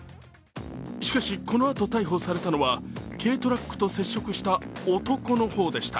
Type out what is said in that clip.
しかしこのあと逮捕されたのは軽トラックと接触した男の方でした。